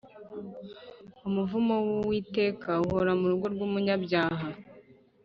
umuvumo w’uwiteka uhora mu rugo rw’umunyabyaha,